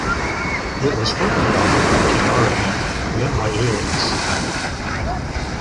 It was formerly offered by Kaydara Inc., then by Alias.